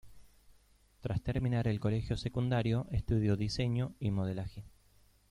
Tras terminar el colegio secundario estudio diseño y modelaje.